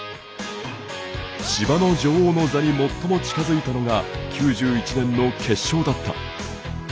芝の女王の座に最も近づいたのが９１年の決勝だった。